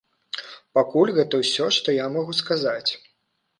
Пакуль гэта ўсё, што я магу сказаць.